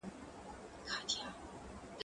زه پرون مړۍ خورم!؟